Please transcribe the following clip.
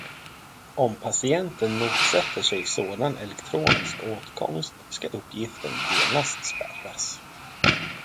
Om patienten motsätter sig sådan elektronisk åtkomst, ska uppgiften genast spärras.